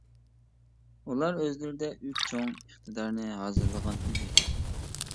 ئۇلار ئۆزلىرىدە ئۈچ چوڭ ئىقتىدارنى ھازىرلىغان ئىدى.